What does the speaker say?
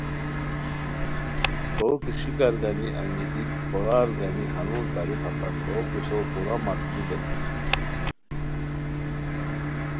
ہو کیݰیکار گانی انگیتی خورارگانی ہنون تاریخہ پت ہو قصو پورا مت لو دیت